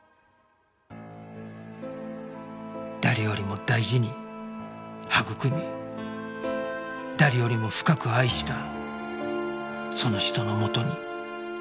誰よりも大事に育み誰よりも深く愛したその人のもとに